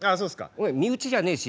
俺身内じゃねえし。